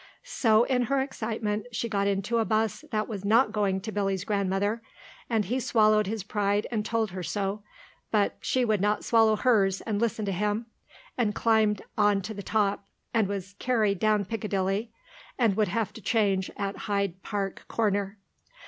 So, in her excitement, she got into a bus that was not going to Billy's grandmother, and he swallowed his pride and told her so, but she would not swallow hers and listen to him, but climbed on to the top, and was carried down Piccadilly, and would have to change at Hyde Park Corner.